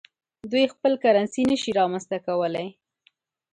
دوی خپل کرنسي نشي رامنځته کولای.